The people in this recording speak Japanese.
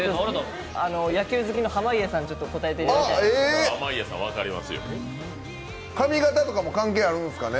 野球好きの濱家さんに答えていただきたいんですけど。